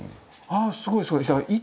ああすごいすごい。